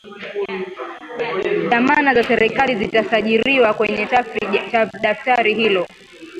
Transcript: dhamana za serikali zitasajiriwa kwenye daftari hilo